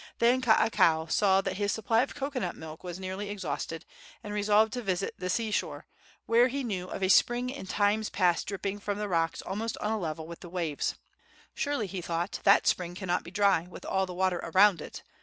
Then Kaakao saw that his supply of cocoanut milk was nearly exhausted, and resolved to visit the sea shore, where he knew of a spring in times past dripping from the rocks almost on a level with the waves. "Surely," he thought, "that spring cannot be dry, with all the water around it."